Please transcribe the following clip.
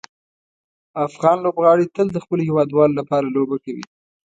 افغان لوبغاړي تل د خپلو هیوادوالو لپاره لوبه کوي.